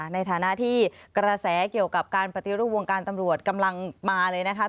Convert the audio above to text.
ในฐานะที่กระแสเกี่ยวกับการปฏิรูปวงการตำรวจกำลังมาเลยนะคะ